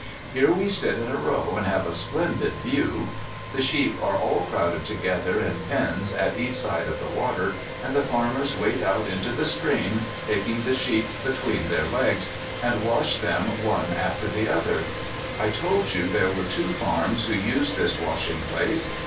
Here we sit in a row and have a splendid view. The sheep are all crowded together in pens at each side of the water, and the farmers wade out into the stream taking the sheep between their legs, and wash them one after the other. I told you there were two farms who use this washing place.